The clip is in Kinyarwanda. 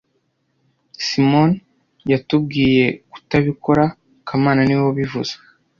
Simoni yatubwiye kutabikora kamana niwe wabivuze